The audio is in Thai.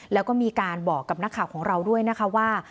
แล้วก็มีการบอกกับนักข่าวของเราด้วยนะคะว่า